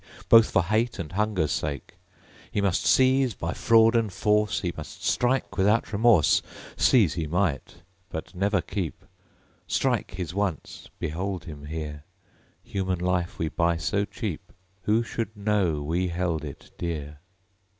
Both for hate and hunger's sake. He must seize by fraud and force; He must strike, without remorse! Seize he might; but never keep. Strike, his once! Behold him here. (Human life we buy so cheap, Who should know we held it dear?)